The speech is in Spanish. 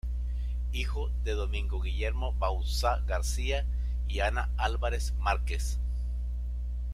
Hijo de Domingo Guillermo Bauzá García y Ana Álvarez Márquez.